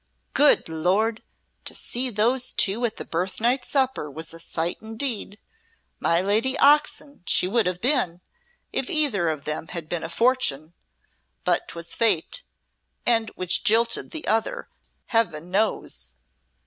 Good Lord! to see those two at the birthnight supper was a sight indeed. My Lady Oxon she would have been, if either of them had been a fortune. But 'twas Fate and which jilted the other, Heaven knows.